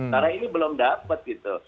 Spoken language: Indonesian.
karena ini belum dapat